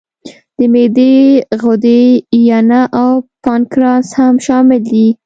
د معدې غدې، ینه او پانکراس هم شامل دي.